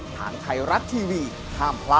ทางไทยรัฐทีวีห้ามพลาด